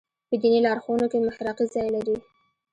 په دیني لارښوونو کې محراقي ځای لري.